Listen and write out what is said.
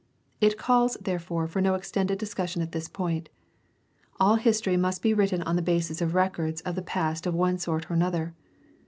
It calls, therefore, for no extended discussion at this point. All history must be written on the basis of records of the past of one sort or another.